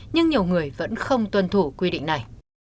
nhưng nhiều người vẫn không tuân thủ quy định này